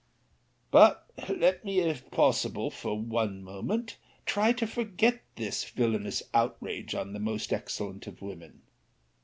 But let me, if possible, for one moment, try to forget this villanous outrage on the most excellent of women.